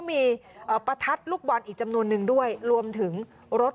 มีเอ่อประทัดลูกบอลอีกจำนวนนึงด้วยรวมถึงรถ